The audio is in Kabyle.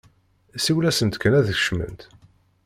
Siwel-asent kan ad d-kecment!